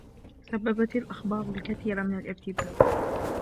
سببت الأخبار الكثير من الارتباك.